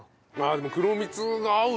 でも黒蜜が合うなあ。